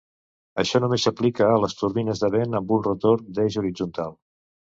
Això només s'aplica a les turbines de vent amb un rotor d'eix horitzontal.